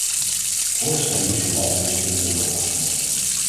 Vóór de stemming zullen al deze punten worden opgesomd.